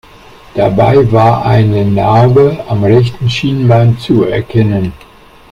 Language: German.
Dabei war eine Narbe am rechten Schienbein zu erkennen.